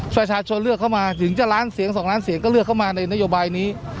ประชาชนเลือกเข้ามาถึงจะล้านเสียง๒ล้านเสียงก็เลือกเข้ามาในนโยบายนี้